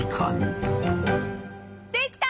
できた！